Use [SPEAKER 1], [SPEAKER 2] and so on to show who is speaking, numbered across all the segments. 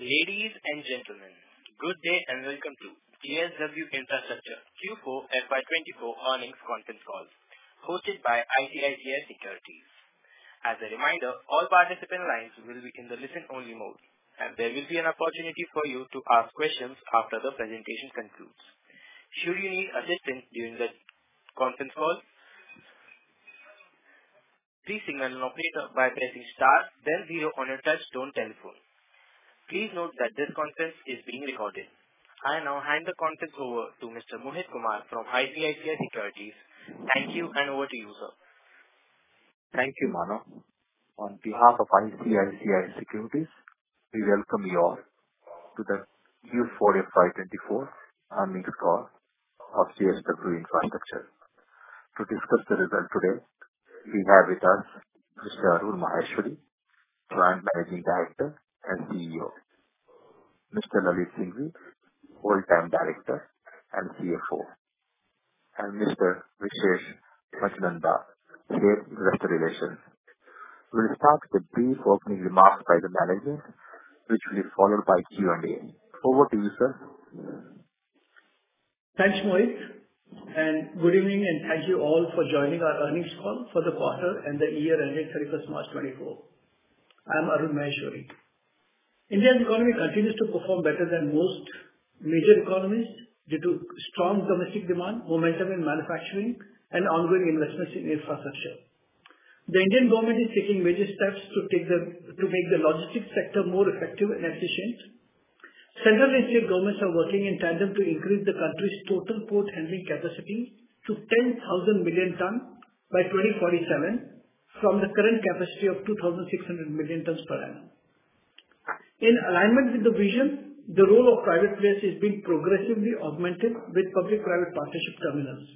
[SPEAKER 1] Ladies and gentlemen, good day and welcome to JSW Infrastructure Q4 FY 2024 Earnings Conference Call hosted by ICICI Securities. As a reminder, all participant lines will be in the listen-only mode, and there will be an opportunity for you to ask questions after the presentation concludes. Should you need assistance during the conference call, please signal an operator by pressing star then zero on your Touch-Tone telephone. Please note that this conference is being recorded. I now hand the conference over to Mr. Mohit Kumar from ICICI Securities. Thank you, and over to you, sir.
[SPEAKER 2] Thank you, Manav. On behalf of ICICI Securities, we welcome you all to the Q4 FY 2024 Earnings Call of JSW Infrastructure. To discuss the result today, we have with us Mr. Arun Maheshwari, Joint Managing Director and CEO, Mr. Lalit Singhvi, Whole-Time Director and CFO, and Mr. Vishesh Pachnanda, Head of Investor Relations. We'll start with a brief opening remark by the management, which will be followed by Q&A. Over to you, sir.
[SPEAKER 3] Thanks, Mohit. Good evening, and thank you all for joining our earnings call for the quarter and the year ending 31st March 2024. I'm Arun Maheshwari. India's economy continues to perform better than most major economies due to strong domestic demand, momentum in manufacturing, and ongoing investments in infrastructure. The Indian government is taking major steps to make the logistics sector more effective and efficient. Central and state governments are working in tandem to increase the country's total port handling capacity to 10,000 million tons by 2047 from the current capacity of 2,600 million tons per annum. In alignment with the vision, the role of private players is being progressively augmented with public-private partnership terminals.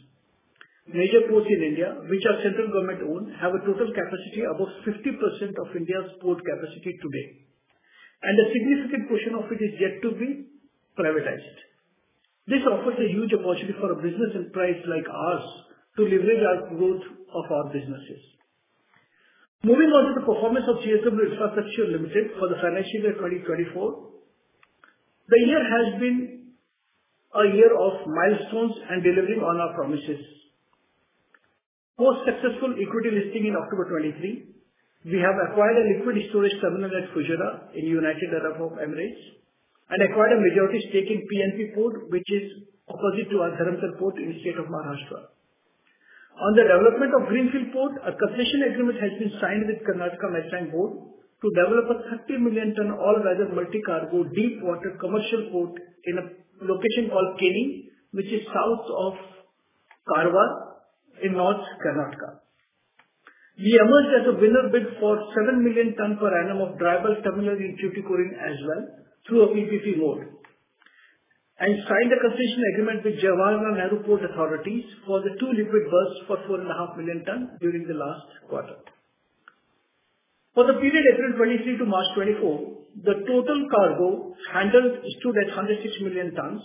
[SPEAKER 3] Major ports in India, which are central government-owned, have a total capacity above 50% of India's port capacity today, and a significant portion of it is yet to be privatized. This offers a huge opportunity for a business enterprise like ours to leverage our growth of our businesses. Moving on to the performance of JSW Infrastructure Limited for the financial year 2024, the year has been a year of milestones and delivering on our promises. Post-successful equity listing in October 2023, we have acquired a liquid storage terminal at Fujairah in the United Arab Emirates and acquired a majority stake in PNP Port, which is opposite to our Dharamtar Port in the state of Maharashtra. On the development of Greenfield Port, a concession agreement has been signed with Karnataka Maritime Board to develop a 30 million-ton all-weather multi-cargo deep-water commercial port in a location called Keni, which is south of Karwar in North Karnataka. We emerged as a winner bid for seven million tons per annum of dry bulk terminals in Tuticorin as well through a PPP mode and signed a concession agreement with Jawaharlal Nehru Port Authority for the two liquid berths for 4.5 million tons during the last quarter. For the period April 2023 to March 2024, the total cargo handled stood at 106 million tons,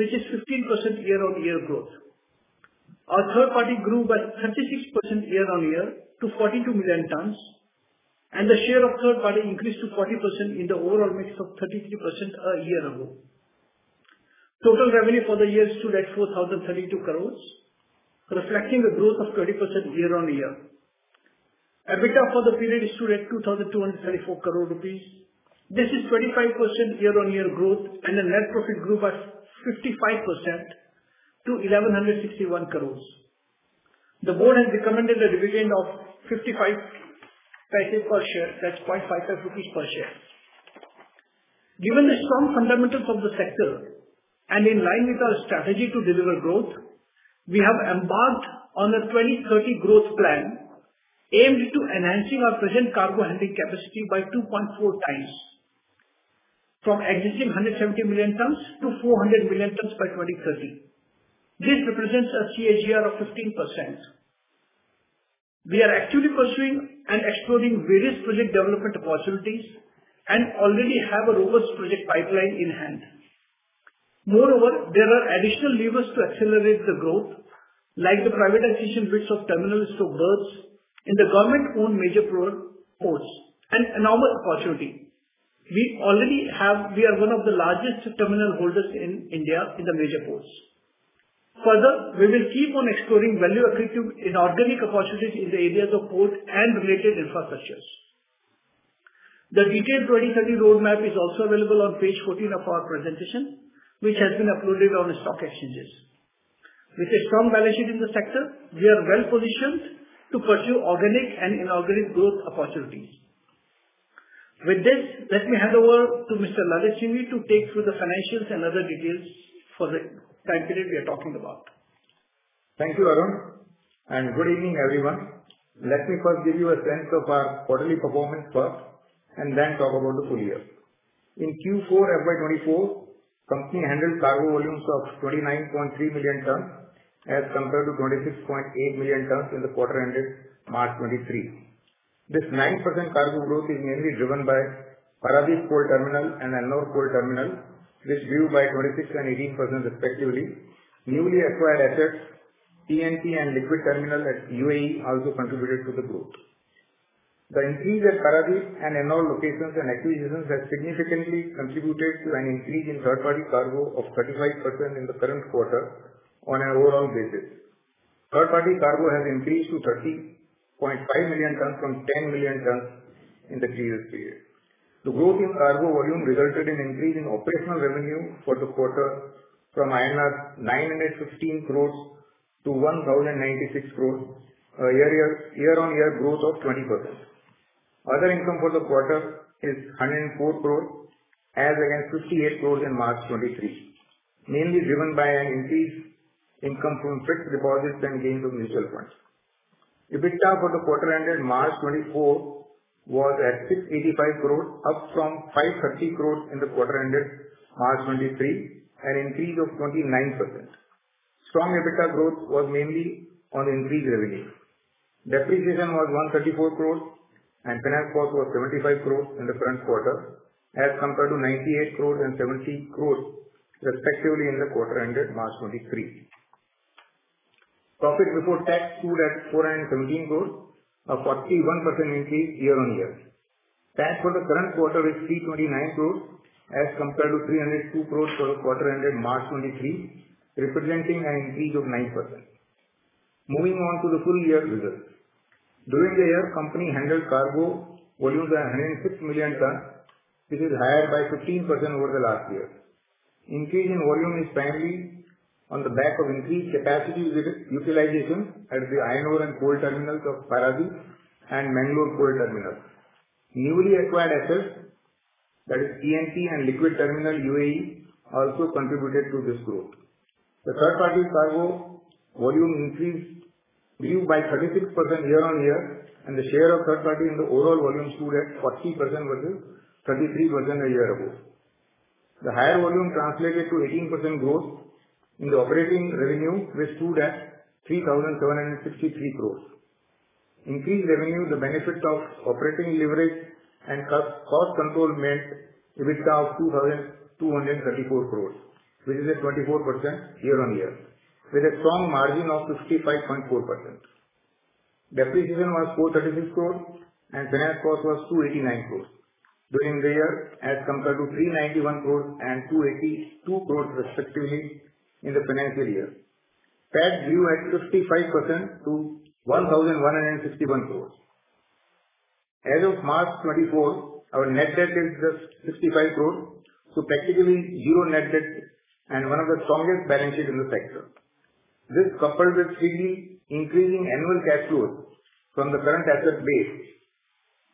[SPEAKER 3] which is 15% year-on-year growth. Our third-party grew by 36% year-on-year to 42 million tons, and the share of third-party increased to 40% in the overall mix of 33% a year ago. Total revenue for the year stood at 4,032 crore, reflecting a growth of 20% year-on-year. EBITDA for the period stood at 2,234 crore rupees. This is 25% year-on-year growth, and the net profit grew by 55% to 1,161 crore. The board has recommended a dividend of 0.55 per share. That's 0.55 rupees per share. Given the strong fundamentals of the sector and in line with our strategy to deliver growth, we have embarked on a 2030 growth plan aimed to enhance our present cargo handling capacity by 2.4x from existing 170 million tons to 400 million tons by 2030. This represents a CAGR of 15%. We are actively pursuing and exploring various project development opportunities and already have a robust project pipeline in hand. Moreover, there are additional levers to accelerate the growth, like the privatization bids of terminals to berths in the government-owned major ports, an enormous opportunity. We are one of the largest terminal holders in India in the major ports. Further, we will keep on exploring value-added inorganic opportunities in the areas of port and related infrastructures. The detailed 2030 roadmap is also available on Page 14 of our presentation, which has been uploaded on stock exchanges. With a strong balance sheet in the sector, we are well positioned to pursue organic and inorganic growth opportunities. With this, let me hand over to Mr. Lalit Singhvi to take through the financials and other details for the time period we are talking about.
[SPEAKER 4] Thank you, Arun. And good evening, everyone. Let me first give you a sense of our quarterly performance first and then talk about the full year. In Q4 FY 2024, the company handled cargo volumes of 29.3 million tons as compared to 26.8 million tons in the quarter ended March 2023. This 9% cargo growth is mainly driven by Paradip Port Terminal and Ennore Port Terminal, which grew by 26% and 18% respectively. Newly acquired assets, PNP and liquid terminal at UAE, also contributed to the growth. The increase at Paradip and Ennore locations and acquisitions has significantly contributed to an increase in third-party cargo of 35% in the current quarter on an overall basis. Third-party cargo has increased to 30.5 million tons from 10 million tons in the previous period. The growth in cargo volume resulted in an increase in operational revenue for the quarter from INR 915 crores to 1,096 crores, a year-on-year growth of 20%. Other income for the quarter is 104 crores as against 58 crores in March 2023, mainly driven by an increased income from fixed deposits and gains of mutual funds. EBITDA for the quarter ended March 2024 was at 685 crores, up from 530 crores in the quarter ended March 2023, an increase of 29%. Strong EBITDA growth was mainly on increased revenue. Depreciation was 134 crores, and finance cost was 75 crores in the current quarter as compared to 98 crores and 70 crores respectively in the quarter ended March 2023. Profit before tax stood at 417 crores, a 41% increase year-on-year. Tax for the current quarter is 329 crores as compared to 302 crores for the quarter ended March 2023, representing an increase of 9%. Moving on to the full-year results. During the year, the company handled cargo volumes of 106 million tons. This is higher by 15% over the last year. Increase in volume is primarily on the back of increased capacity utilization at the Ennore and port terminals of Paradip and Mangalore Port Terminal. Newly acquired assets, that is PNP and liquid terminal UAE, also contributed to this growth. The third-party cargo volume increase grew by 36% year-on-year, and the share of third-party in the overall volume stood at 40% versus 33% a year ago. The higher volume translated to 18% growth in the operating revenue stood at 3,763 crores. Increased revenue, the benefit of operating leverage, and cost control meant EBITDA of 2,234 crores, which is at 24% year-on-year, with a strong margin of 55.4%. Depreciation was 436 crores, and finance cost was 289 crores during the year as compared to 391 crores and 282 crores respectively in the financial year. Tax grew at 55% to 1,161 crores. As of March 2024, our net debt is just 65 crores, so practically zero net debt and one of the strongest balance sheets in the sector. This, coupled with steadily increasing annual cash flows from the current asset base,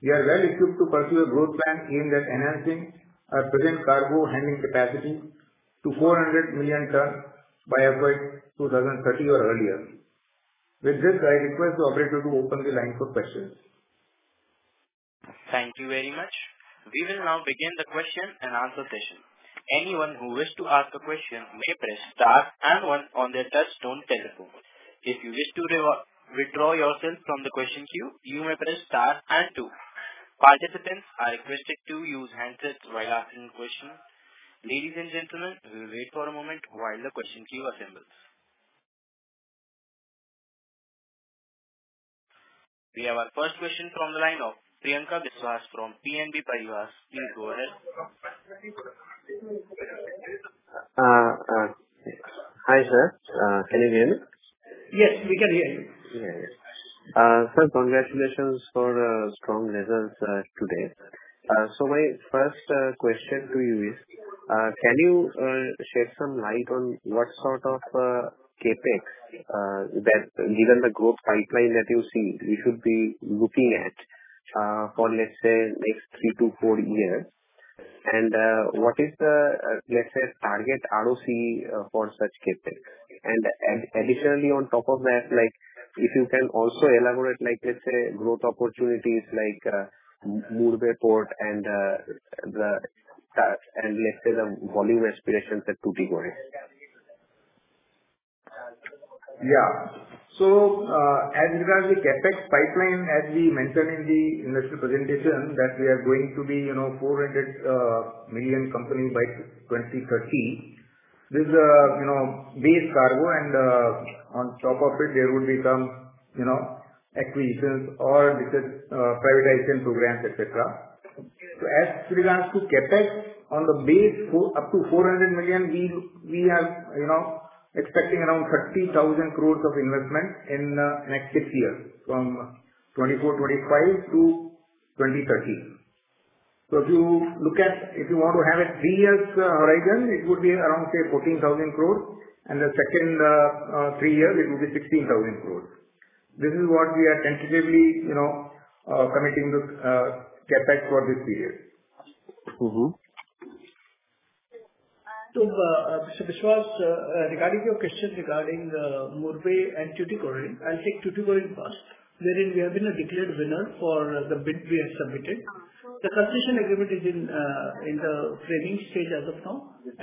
[SPEAKER 4] we are well equipped to pursue a growth plan aimed at enhancing our present cargo handling capacity to 400 million ton by FY 2030 or earlier. With this, I request the operator to open the line for questions.
[SPEAKER 1] Thank you very much. We will now begin the question and answer session. Anyone who wishes to ask a question may press star and one on their Touch-Tone telephone. If you wish to withdraw yourself from the question queue, you may press star and two. Participants are requested to use handsets while asking questions. Ladies and gentlemen, we'll wait for a moment while the question queue assembles. We have our first question from the line of Priyankar Biswas from BNP Paribas. Please go ahead.
[SPEAKER 5] Hi, sir. Can you hear me?
[SPEAKER 3] Yes, we can hear you.
[SPEAKER 5] Yeah, yeah. First, congratulations for strong results today. So my first question to you is, can you shed some light on what sort of CapEx, given the growth pipeline that you see we should be looking at for, let's say, the next three to four years? And what is the, let's say, target ROC for such CapEx? And additionally, on top of that, if you can also elaborate, let's say, growth opportunities like Murbe Port and, let's say, the volume aspirations at Tuticorin.
[SPEAKER 4] Yeah. So as regards to CapEx pipeline, as we mentioned in the initial presentation that we are going to be a 400 million company by 2030, this is base cargo, and on top of it, there would be some acquisitions or privatization programs, etc. So as regards to CapEx, on the base up to 400 million, we are expecting around 30,000 crore of investment in the next six years from 2024-2025 to 2030. So if you want to have a three-year horizon, it would be around, say, 14,000 crore, and the second three years, it would be 16,000 crore. This is what we are tentatively committing CapEx for this period. So Mr. Biswas, regarding your question regarding Murbe and Tuticorin, I'll take Tuticorin first, wherein we have been a declared winner for the bid we have submitted. The concession agreement is in the framing stage as of now,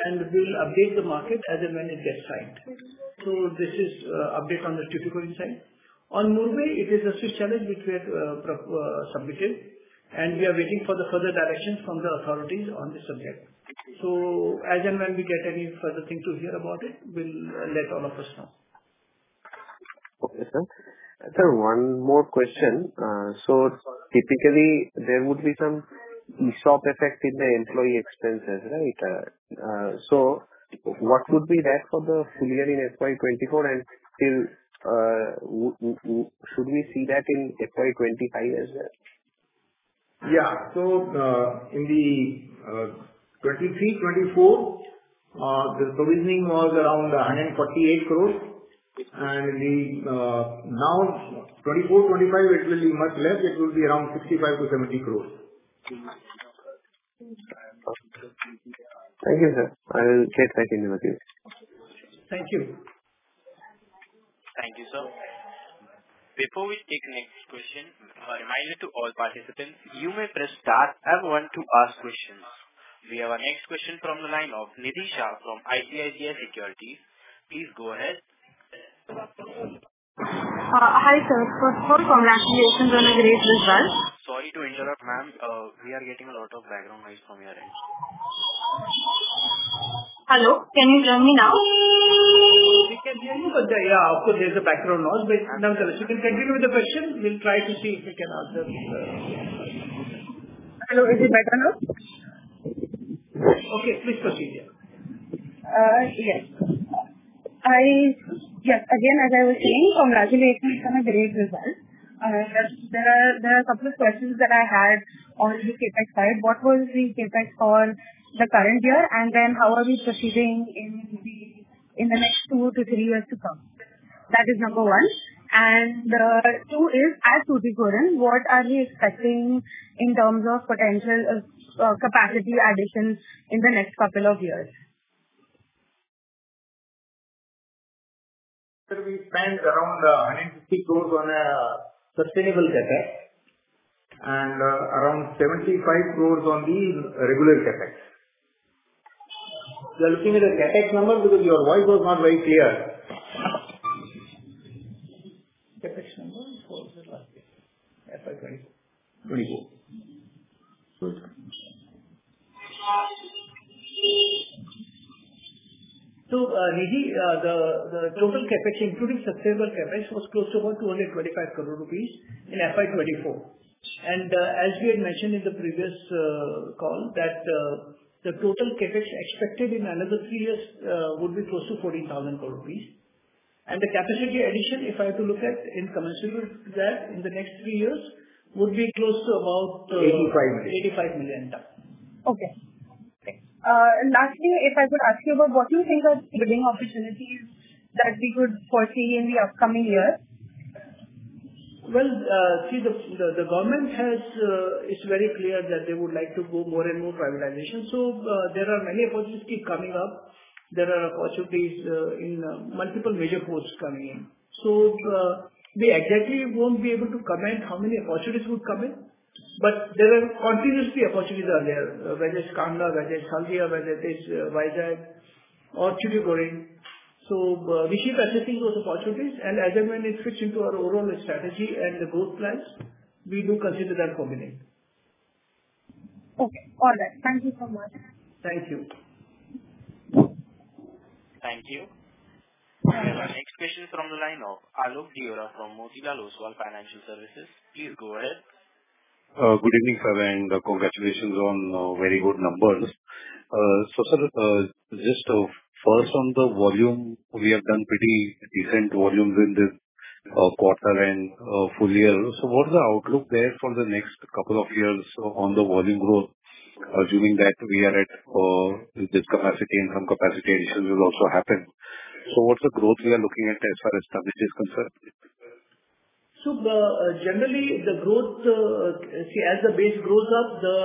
[SPEAKER 4] and we'll update the market as and when it gets signed. So this is an update on the Tuticorin side. On Murbe, it is a Swiss challenge which we have submitted, and we are waiting for further directions from the authorities on this subject. So as and when we get any further thing to hear about it, we'll let all of us know.
[SPEAKER 5] Okay, sir. So one more question. So typically, there would be some ESOP effect in the employee expenses, right? So what would be that for the full year in FY 2024, and should we see that in FY 2025 as well?
[SPEAKER 4] Yeah. So in the 2023-2024, the provisioning was around 148 crore, and now 2024-2025, it will be much less. It will be around 65 crore-70 crore.
[SPEAKER 5] Thank you, sir. I will get back into the queue.
[SPEAKER 3] Thank you.
[SPEAKER 1] Thank you, sir. Before we take the next question, a reminder to all participants, you may press star and one to ask questions. We have our next question from the line of Nidhi from ICICI Securities. Please go ahead.
[SPEAKER 6] Hi, sir. First of all, congratulations on the great results.
[SPEAKER 1] Sorry to interrupt, ma'am. We are getting a lot of background noise from your end.
[SPEAKER 6] Hello. Can you hear me now?
[SPEAKER 3] We can hear you, but yeah, of course, there's a background noise. Nevertheless, you can continue with the question. We'll try to see if we can answer the question.
[SPEAKER 6] Hello. Is it better now?
[SPEAKER 3] Okay. Please proceed, yeah.
[SPEAKER 6] Yes. Yes. Again, as I was saying, congratulations on a great result. There are a couple of questions that I had on the CapEx side. What was the CapEx for the current year, and then how are we proceeding in the next two to three years to come? That is number one. And two is, at Tuticorin, what are we expecting in terms of potential capacity addition in the next couple of years?
[SPEAKER 4] Sir, we spent around 150 crores on sustainable CapEx and around 75 crores on the regular CapEx. We are looking at a CapEx number because your voice was not very clear. CapEx number for the last year, FY 2024?
[SPEAKER 3] 2024.
[SPEAKER 4] Good.
[SPEAKER 3] So Nidhi, the total CapEx, including sustainable CapEx, was close to about 225 crore rupees in FY 2024. As we had mentioned in the previous call, the total CapEx expected in another three years would be close to 14,000 crore rupees. The capacity addition, if I had to look at and commensurate that in the next three years, would be close to about.
[SPEAKER 4] 85 million. 85 million tons.
[SPEAKER 6] Okay. Lastly, if I could ask you about what you think are the bidding opportunities that we could foresee in the upcoming years?
[SPEAKER 3] Well, see, the government is very clear that they would like to go more and more privatization. So there are many opportunities coming up. There are opportunities in multiple major ports coming in. So we exactly won't be able to comment how many opportunities would come in, but there are continuously opportunities out there, whether it's Kandla, whether it's Haldia, whether it is Vizag, or Tuticorin. So we should be assessing those opportunities. And as and when it fits into our overall strategy and the growth plans, we do consider them coming in.
[SPEAKER 6] Okay. All right. Thank you so much.
[SPEAKER 3] Thank you.
[SPEAKER 1] Thank you. We have our next question from the line of Alok Deora from Motilal Oswal Financial Services. Please go ahead.
[SPEAKER 7] Good evening, sir, and congratulations on very good numbers. Sir, just first on the volume, we have done pretty decent volumes in this quarter and full year. What's the outlook there for the next couple of years on the volume growth, assuming that we are at this capacity and some capacity additions will also happen? What's the growth we are looking at as far as stability is concerned?
[SPEAKER 3] So generally, the growth, see, as the base grows up, the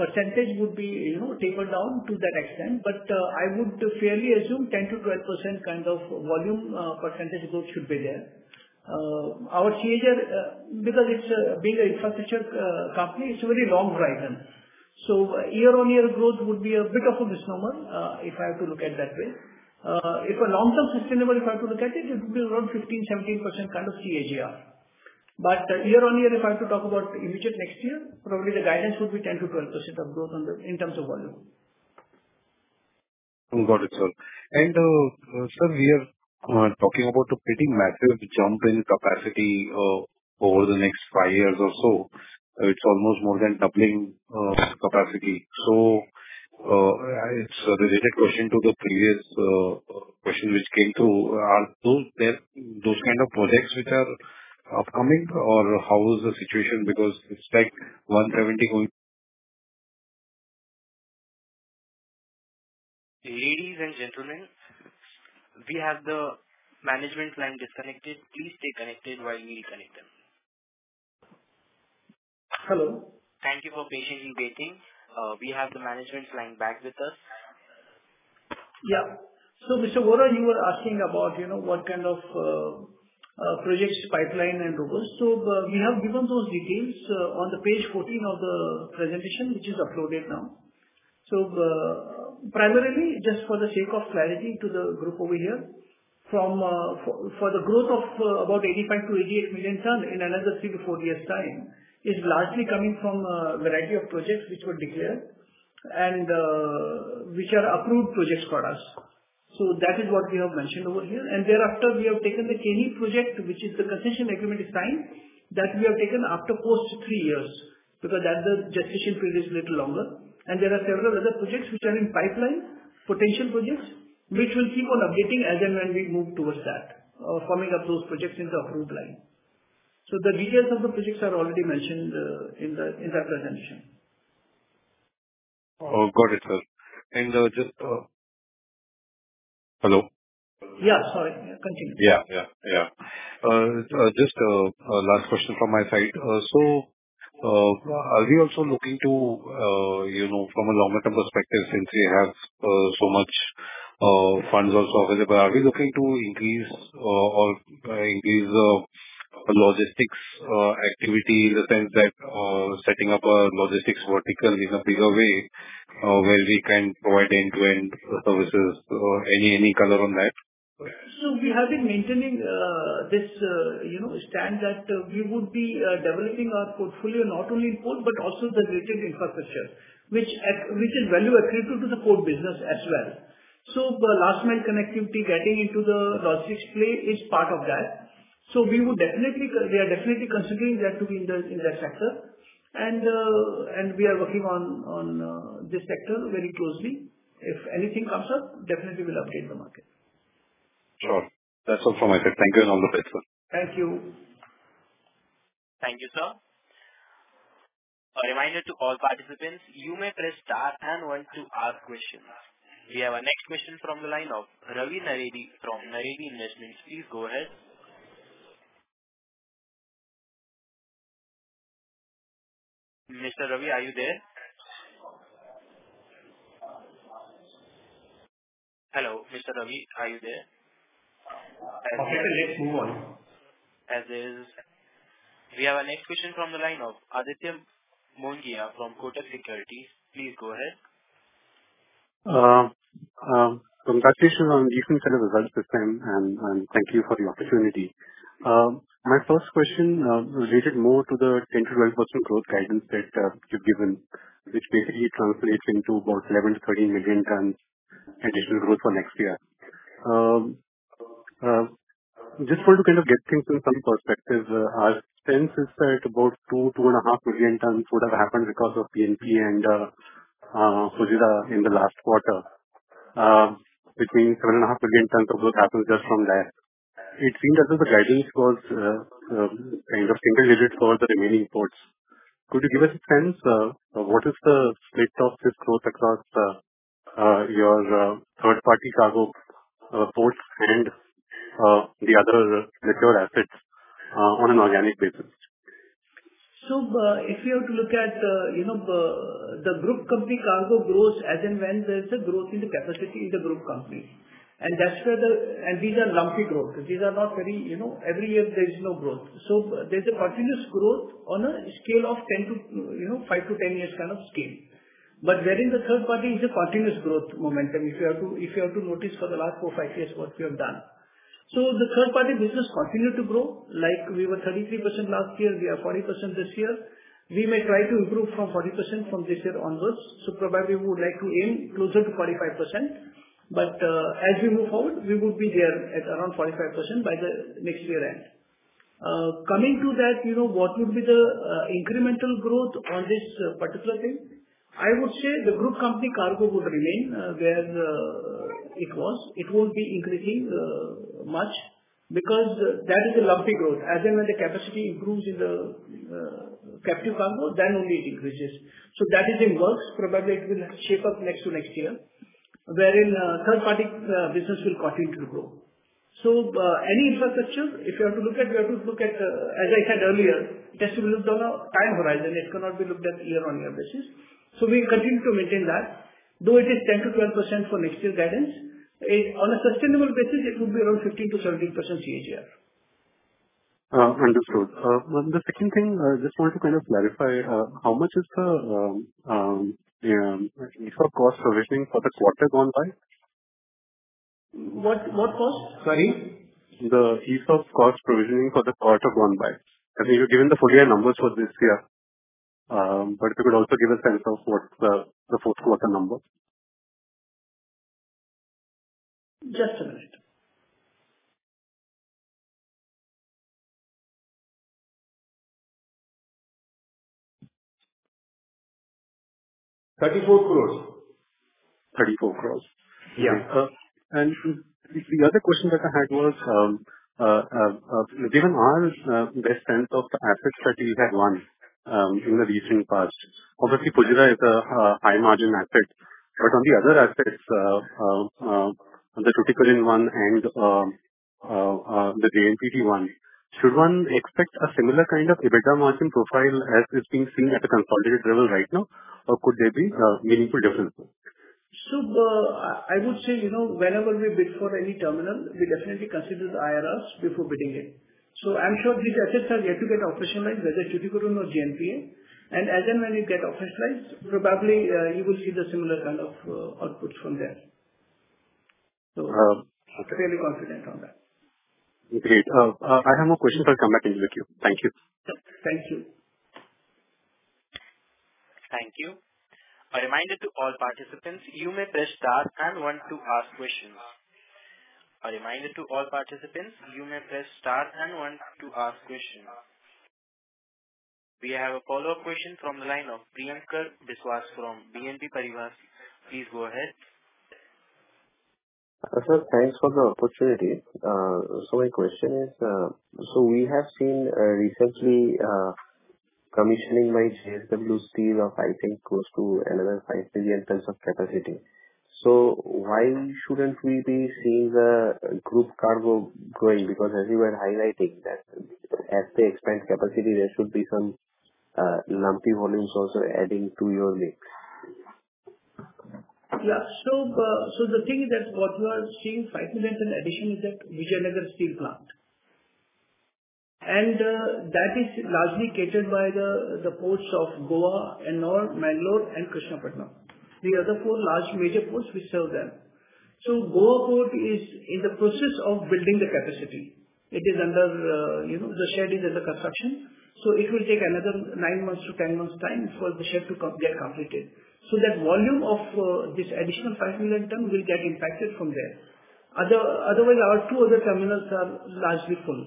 [SPEAKER 3] percentage would be tapered down to that extent. But I would fairly assume 10%-12% kind of volume percentage growth should be there. Our CAGR, because it's being an infrastructure company, it's a very long horizon. So year-on-year growth would be a bit of a misnomer if I have to look at it that way. If a long-term sustainable, if I have to look at it, it would be around 15%-17% kind of CAGR. But year-on-year, if I have to talk about immediate next year, probably the guidance would be 10%-12% of growth in terms of volume.
[SPEAKER 7] Got it, sir. And sir, we are talking about a pretty massive jump in capacity over the next five years or so. It's almost more than doubling capacity. So it's a related question to the previous question which came through. Are those kind of projects which are upcoming, or how is the situation? Because it's like 170 going.
[SPEAKER 1] Ladies and gentlemen, we have the management line disconnected. Please stay connected while we reconnect them.
[SPEAKER 3] Hello?
[SPEAKER 1] Thank you for patiently waiting. We have the management line back with us.
[SPEAKER 3] Yeah. So Mr. Deora, you were asking about what kind of projects pipeline and all those. So we have given those details on page 14 of the presentation, which is uploaded now. So primarily, just for the sake of clarity to the group over here, for the growth of about 85-88 million tons in another 3-4 years' time, it's largely coming from a variety of projects which were declared and which are approved projects for us. So that is what we have mentioned over here. And thereafter, we have taken the Keni project, which is the concession agreement is signed, that we have taken after post 3 years because that's the gestation period is a little longer. There are several other projects which are in pipeline, potential projects, which we'll keep on updating as and when we move towards that, forming up those projects in the approved line. The details of the projects are already mentioned in that presentation.
[SPEAKER 7] Oh, got it, sir. And just. Hello?
[SPEAKER 3] Yeah, sorry. Continue.
[SPEAKER 7] Yeah, yeah, yeah. Just a last question from my side. So are we also looking to, from a longer-term perspective, since we have so much funds also available, are we looking to increase logistics activity in the sense that setting up a logistics vertical in a bigger way where we can provide end-to-end services, any color on that?
[SPEAKER 3] So we have been maintaining this stand that we would be developing our portfolio not only in port but also the related infrastructure, which is value-attributed to the port business as well. So last-mile connectivity, getting into the logistics play, is part of that. So we are definitely considering that to be in that sector, and we are working on this sector very closely. If anything comes up, definitely we'll update the market.
[SPEAKER 7] Sure. That's all from my side. Thank you and all the best, sir.
[SPEAKER 3] Thank you.
[SPEAKER 1] Thank you, sir. A reminder to all participants, you may press star and one to ask questions. We have our next question from the line of Ravi Naredi from Naredi Investments. Please go ahead. Mr. Ravi, are you there? Hello, Mr. Ravi, are you there?
[SPEAKER 4] Okay, sir. Let's move on.
[SPEAKER 1] As is. We have our next question from the line of Aditya Mongia from Kotak Securities. Please go ahead.
[SPEAKER 8] Congratulations on the different kind of results this time, and thank you for the opportunity. My first question related more to the 10%-12% growth guidance that you've given, which basically translates into about 11-13 million tons additional growth for next year. Just want to kind of get things in some perspective. Our sense is that about two million to 2.5 million tons would have happened because of PNP and Fujairah in the last quarter, which means 7.5 million tons of growth happens just from that. It seemed as if the guidance was kind of single-digit for the remaining ports. Could you give us a sense of what is the split of fixed growth across your third-party cargo ports and the other mature assets on an organic basis?
[SPEAKER 3] So if we are to look at the group company cargo growth, as and when, there's a growth in the capacity in the group companies. And these are lumpy growths. These are not very every year, there's no growth. So there's a continuous growth on a scale of five to 10 years kind of scale. But wherein the third party is a continuous growth momentum, if you have to notice for the last four to five years what we have done. So the third-party business continued to grow. We were 33% last year. We are 40% this year. We may try to improve from 40% from this year onwards. So probably we would like to aim closer to 45%. But as we move forward, we would be there at around 45% by the next year-end. Coming to that, what would be the incremental growth on this particular thing? I would say the group company cargo would remain where it was. It won't be increasing much because that is a lumpy growth. As and when the capacity improves in the captive cargo, then only it increases. So that is in works. Probably it will shape up next to next year, wherein third-party business will continue to grow. So any infrastructure, if you have to look at, we have to look at, as I said earlier, it has to be looked on a time horizon. It cannot be looked at year-on-year basis. So we continue to maintain that. Though it is 10%-12% for next year's guidance, on a sustainable basis, it would be around 15%-17% CAGR.
[SPEAKER 8] Understood. The second thing, I just want to kind of clarify. How much is the ESOP cost provisioning for the quarter gone by?
[SPEAKER 3] What cost? Sorry?
[SPEAKER 8] The ESOP cost provisioning for the quarter gone by. I mean, you've given the full-year numbers for this year, but if you could also give a sense of what's the fourth-quarter number?
[SPEAKER 3] Just a minute. 34 crore.
[SPEAKER 8] 34 crore. The other question that I had was, given our best sense of the assets that we had won in the recent past, obviously, Fujairah is a high-margin asset. But on the other assets, on the Tuticorin one and the JNPA one, should one expect a similar kind of EBITDA margin profile as is being seen at the consolidated level right now, or could there be meaningful differences?
[SPEAKER 3] So I would say whenever we bid for any terminal, we definitely consider the IRRs before bidding it. So I'm sure these assets are yet to get officialized, whether Tuticorin or JNPA. And as and when you get officialized, probably you will see the similar kind of outputs from there. So fairly confident on that.
[SPEAKER 8] Great. I have more questions. I'll come back and look at you. Thank you.
[SPEAKER 3] Thank you.
[SPEAKER 1] Thank you. A reminder to all participants, you may press star and one to ask questions. A reminder to all participants, you may press star and one to ask questions. We have a follow-up question from the line of Priyankar Biswas from BNP Paribas. Please go ahead.
[SPEAKER 5] Sir, thanks for the opportunity. So my question is, so we have seen recently commissioning by JSW Steel of, I think, close to another five million tons of capacity. So why shouldn't we be seeing the group cargo growing? Because as you were highlighting, as they expand capacity, there should be some lumpy volumes also adding to your mix.
[SPEAKER 3] Yeah. So the thing is that what you are seeing five million ton addition is at Vijayanagar Steel Plant. And that is largely catered by the ports of Goa and Mangalore and Krishnapatnam, the other four large major ports which serve them. So Goa Port is in the process of building the capacity. The shed is under construction. So it will take another nine to 10 months' time for the shed to get completed. So that volume of this additional five million ton will get impacted from there. Otherwise, our two other terminals are largely full.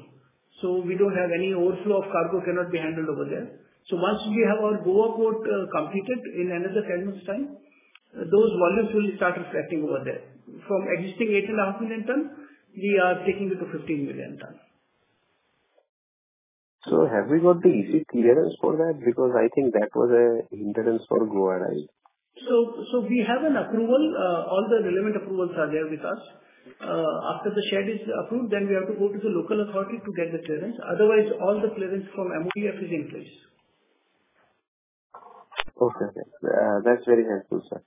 [SPEAKER 3] So we don't have any overflow of cargo cannot be handled over there. So once we have our Goa Port completed in another 10 months' time, those volumes will start reflecting over there. From existing 8.5 million ton, we are taking it to 15 million ton.
[SPEAKER 5] So have we got the easy clearance for that? Because I think that was a hindrance for Goa, right?
[SPEAKER 3] So we have an approval. All the relevant approvals are there with us. After the shed is approved, then we have to go to the local authority to get the clearance. Otherwise, all the clearance from MoEF is in place.
[SPEAKER 5] Okay, okay. That's very helpful, sir.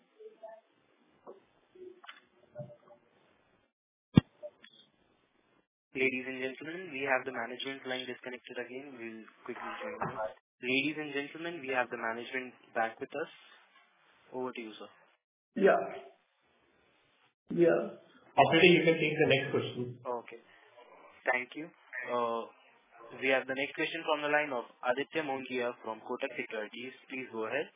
[SPEAKER 1] Ladies and gentlemen, we have the management line disconnected again. We'll quickly join them. Ladies and gentlemen, we have the management back with us. Over to you, sir.
[SPEAKER 3] Yeah. Yeah.
[SPEAKER 9] Operator, you can take the next question.
[SPEAKER 1] Okay. Thank you. We have the next question from the line of Aditya Mongia from Kotak Securities. Please go ahead.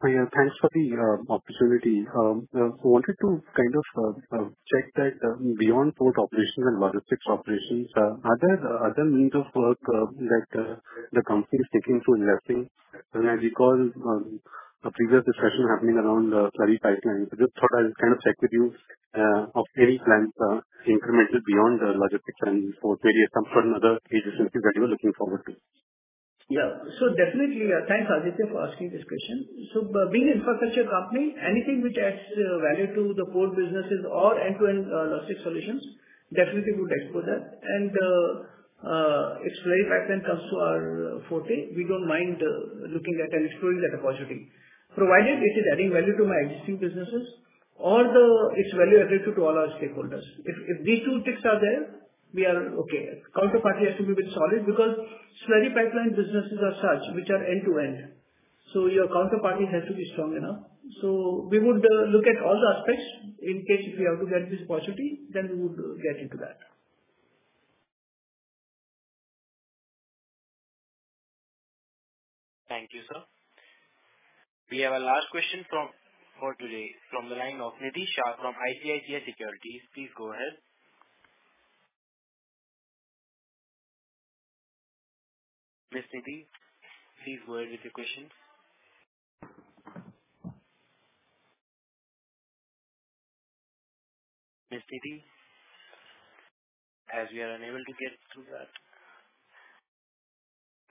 [SPEAKER 8] Priya, thanks for the opportunity. I wanted to kind of check that beyond port operations and logistics operations, are there other means of work that the company is taking to investing? And as you called a previous discussion happening around the slurry pipeline, I just thought I'd kind of check with you of any plans incremental beyond logistics and port, maybe some sort of other agencies that you are looking forward to.
[SPEAKER 3] Yeah. So definitely, thanks, Aditya, for asking this question. So being an infrastructure company, anything which adds value to the port businesses or end-to-end logistics solutions, definitely would explore that. And if slurry pipeline comes to our forte, we don't mind looking at and exploring that opportunity, provided it is adding value to my existing businesses or its value attributed to all our stakeholders. If these two ticks are there, we are okay. Counterparty has to be a bit solid because slurry pipeline businesses are such which are end-to-end. So your counterparty has to be strong enough. So we would look at all the aspects. In case if we have to get this opportunity, then we would get into that.
[SPEAKER 1] Thank you, sir. We have our last question for today from the line of Nidhi Shah from ICICI Securities. Please go ahead. Miss Nidhi, please go ahead with your questions. Miss Nidhi, as we are unable to get through that.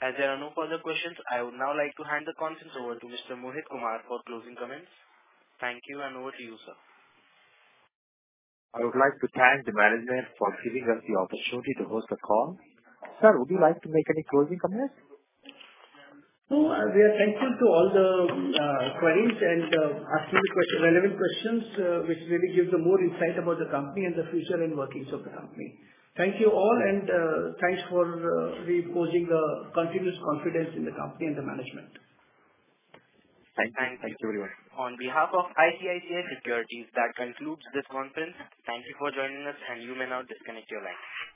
[SPEAKER 1] As there are no further questions, I would now like to hand the conference over to Mr. Mohit Kumar for closing comments. Thank you, and over to you, sir.
[SPEAKER 2] I would like to thank the management for giving us the opportunity to host the call. Sir, would you like to make any closing comments?
[SPEAKER 3] No, we are thankful to all the colleagues and asking the relevant questions, which really gives them more insight about the company and the future and workings of the company. Thank you all, and thanks for reposing the continuous confidence in the company and the management.
[SPEAKER 1] Thank you, everyone. On behalf of ICICI Securities, that concludes this conference. Thank you for joining us, and you may now disconnect your line.